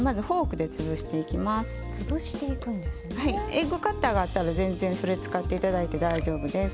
エッグカッターがあったら全然それ使って頂いて大丈夫です。